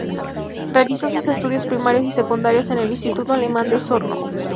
Realizó sus estudios primarios y secundarios en el Instituto Alemán de Osorno.